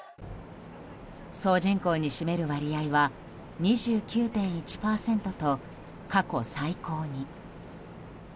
総人口に占める割合は２９．１％と過去最高に。